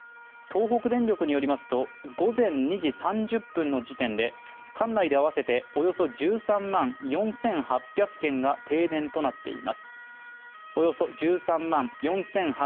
東北電力によりますと、午前２時３０分の時点で、管内で合わせておよそ１３万４８００軒が停電となっています